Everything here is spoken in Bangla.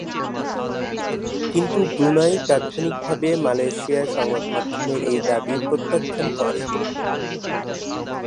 কিন্তু ব্রুনাই তাৎক্ষণিকভাবে, মালয়েশিয়ার সংবাদমাধ্যমের এই দাবি প্রত্যাখ্যান করে।